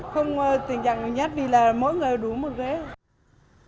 không tình trạng nhồi nhét vì là mỗi người đú một ghế